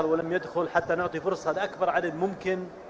dengan kekuatan yang sangat menarik